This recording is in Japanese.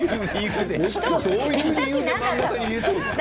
どういう言い分で真ん中に入れているんですか？